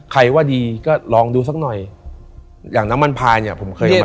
ใครว่าดีก็ลองดูสักหน่อยอย่างน้ำมันพายผมเคยลอง